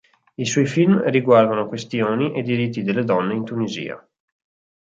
I suoi film riguardano questioni e diritti delle donne in Tunisia.